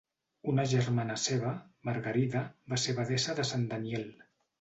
Una germana seva, Margarida, va ser abadessa de Sant Daniel.